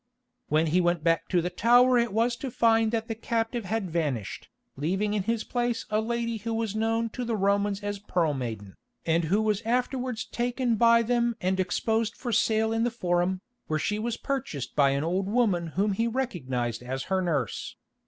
When he went back to the Tower it was to find that the captive had vanished, leaving in his place a lady who was known to the Romans as Pearl Maiden, and who was afterwards taken by them and exposed for sale in the Forum, where she was purchased by an old woman whom he recognised as her nurse.